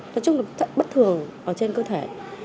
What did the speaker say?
nói chung là bất thường ở trên cơ thể